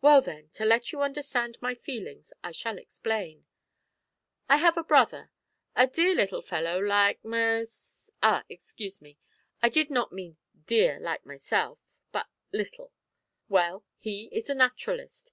"Well, then, to let you understand my feelings, I shall explain. I have a brother a dear little fellow like mys ah, excuse me; I did not mean dear like myself, but little. Well, he is a naturalist.